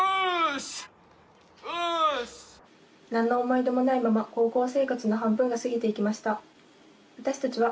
何の思い出もないまま高校生活の半分が過ぎていきました。